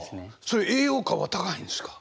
それ栄養価は高いんですか？